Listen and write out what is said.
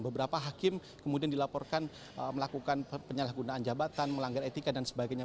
beberapa hakim kemudian dilaporkan melakukan penyalahgunaan jabatan melanggar etika dan sebagainya